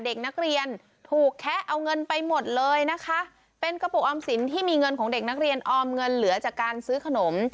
เด็กนักเรียนถูกแคะเอาเงินไปหมดเลยนะคะเป็นกระปุกออมสินที่มีเงินของเด็กนักเรียนออมเงินเหลือจากการซื้อขนม